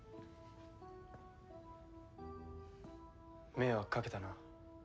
迷惑かけたな。